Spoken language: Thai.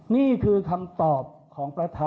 นี่คือคำตอบของประธาน